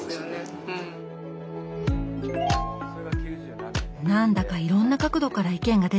なんだかいろんな角度から意見が出てきますね。